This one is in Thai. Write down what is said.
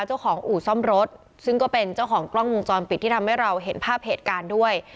อู่ซ่อมรถซึ่งก็เป็นเจ้าของกล้องวงจรปิดที่ทำให้เราเห็นภาพเหตุการณ์ด้วย